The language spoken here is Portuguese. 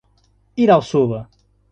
Irauçuba